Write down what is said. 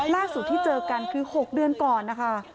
ล่าสุดที่เจอกันคือ๖เดือนก่อนนะคะ